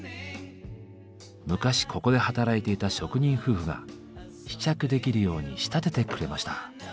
昔ここで働いていた職人夫婦が試着できるように仕立ててくれました。